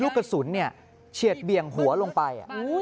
แล้วก็มีชาวบ้านอีกที่เขาบอกว่า